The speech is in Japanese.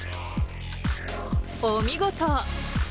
お見事！